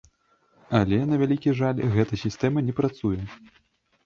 Але, на вялікі жаль, гэта сістэма не працуе.